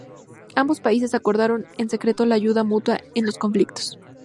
Ambos países acordaron en secreto la ayuda mutua en los conflictos.